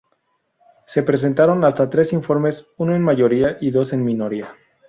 Se presentaron hasta tres informes, uno en mayoría y dos en minoría.